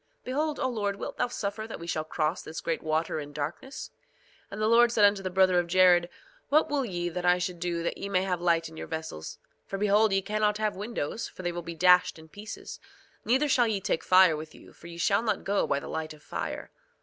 Behold, O Lord, wilt thou suffer that we shall cross this great water in darkness? 2:23 And the Lord said unto the brother of Jared: What will ye that I should do that ye may have light in your vessels? For behold, ye cannot have windows, for they will be dashed in pieces; neither shall ye take fire with you, for ye shall not go by the light of fire.